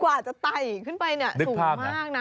กว่าจะไต่ขึ้นไปเนี่ยสูงมากนะ